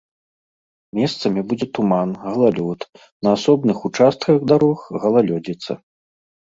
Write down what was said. Месцамі будзе туман, галалёд, на асобных участках дарог галалёдзіца.